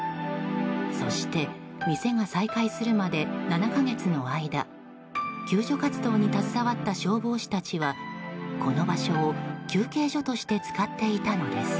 そして、店が再開するまで７か月の間救助活動に携わった消防士たちはこの場所を休憩所として使っていたのです。